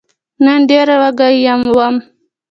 نن ډېر وږی وم !